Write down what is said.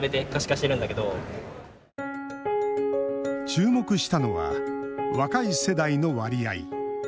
注目したのは若い世代の割合。